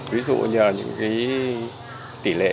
ví dụ như là những tỷ lệ